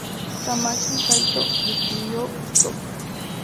Tamaki Saitō describió "Stop!!